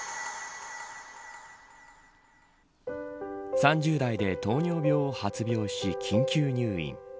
３０代で糖尿病を発病し緊急入院。